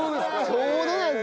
ちょうどなんで。